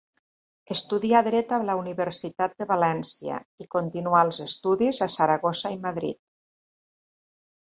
Estudià dret a la Universitat de València, i continuà els estudis a Saragossa i Madrid.